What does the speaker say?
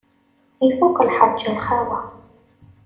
Ifuk lḥerǧ a lxawa.